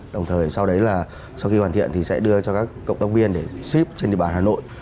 đồng thời sau đấy là sau khi hoàn thiện thì sẽ đưa cho các cộng tác viên để ship trên địa bàn hà nội